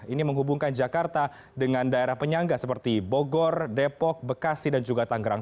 ini menghubungkan jakarta dengan daerah penyangga seperti bogor depok bekasi dan juga tanggerang